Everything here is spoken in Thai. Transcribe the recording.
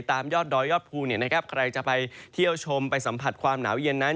ตามยอดดอยยอดภูใครจะไปเที่ยวชมไปสัมผัสความหนาวเย็นนั้น